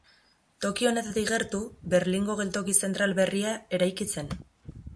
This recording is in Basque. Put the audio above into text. Toki honetatik gertu, Berlingo Geltoki Zentral berria eraiki zen.